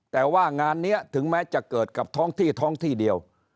แต่ว่างานนี้ถึงแม้จะเกิดกับท้องที่ท้องที่เดียว